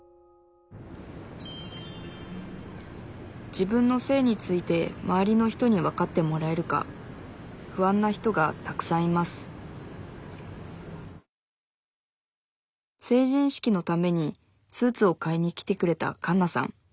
自分の性について周りの人にわかってもらえるか不安な人がたくさんいます成人式のためにスーツを買いに来てくれたカンナさん。